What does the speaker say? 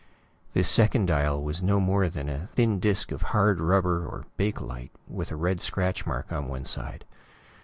This second dial was no more than a thin disk of hard rubber or bakelite, with a red scratch mark on one side.